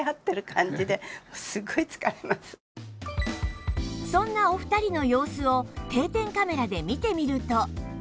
そんなお二人の様子を定点カメラで見てみると